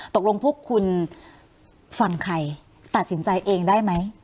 ตกลงพวกคุณฟังใครตัดสินใจเองได้ไหม